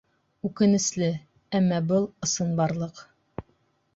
Үкенесле, әммә был — ысынбарлыҡ.